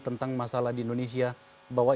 tentang masalah di indonesia bahwa